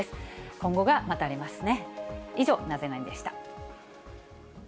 今後が待たれますね。